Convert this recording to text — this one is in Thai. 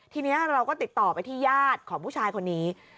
ทีนี้เราก็ติดต่อไปที่ญาติของผู้ชายคนนี้